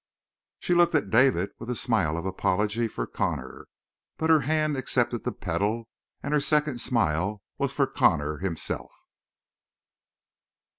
She looked to David with a smile of apology for Connor, but her hand accepted the petal, and her second smile was for Connor himself.